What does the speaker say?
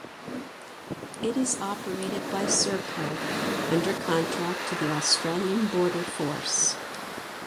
It is operated by Serco under contract to the Australian Border Force.